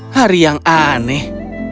hari yang aneh